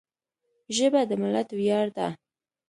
ژبه د ملت ویاړ ده